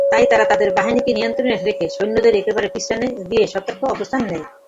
তাই তারা তাদের বাহিনীকে নিয়ন্ত্রণে রেখে সৈন্যদের একেবারে পেছনে গিয়ে সতর্ক অবস্থান নেয়।